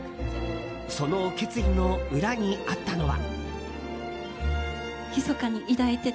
その決意の裏にあったのは。